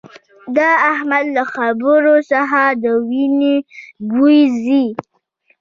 د احمد له خبرو څخه د وينې بوي ځي